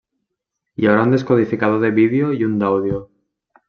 Hi haurà un descodificador de vídeo i un d'àudio.